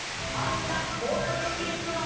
みんなもっとげんきにいくよ！